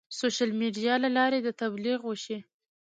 سوشیل میډیا له لارې د تبلیغ وشي.